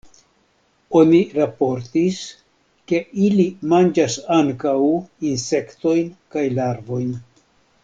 Oni raportis, ke ili manĝas ankaŭ insektojn kaj larvojn.